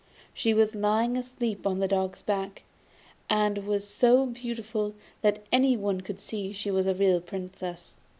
She was lying asleep on the dog's back, and was so beautiful that anyone could see she was a real Princess.